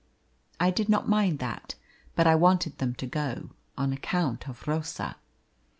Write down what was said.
I did not mind that, but I wanted them to go, on account of Rosa.